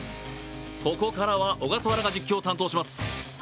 ここからは小笠原が実況を担当します。